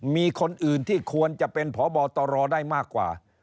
มีคนอื่นที่ควรจะเป็นพบตรได้มากกว่า